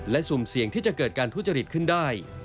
และสุ่มเสี่ยงที่จะเกิดการทุจริตขึ้นได้